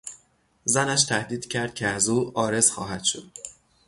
زنش تهدید کرد که از او عارض خواهد شد.